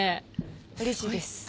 うれしいです。